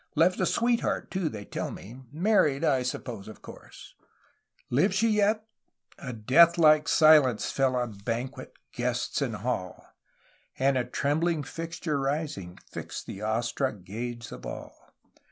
Left a sweetheart, too, they tell me. Married, I suppose, of course ! Lives she yet?' A deathlike silence fell on banquet, guests, and hall, And a trembling figure rising fixed the awestruck gaze of all.